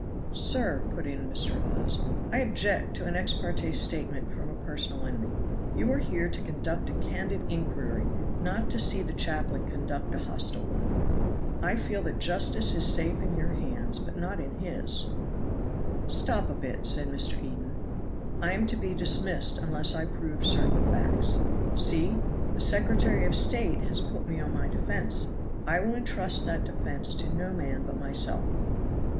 "Sir," put in Mr. Hawes, "I object to an ex parte statement from a personal enemy. You are here to conduct a candid inquiry, not to see the chaplain conduct a hostile one. I feel that justice is safe in your hands but not in his." "Stop a bit," said Mr. Eden; "I am to be dismissed unless I prove certain facts. See! the Secretary of State has put me on my defense. I will intrust that defense to no man but myself."